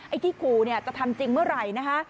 ไอ้ที่ขู่จะทำจริงเมื่อไหร่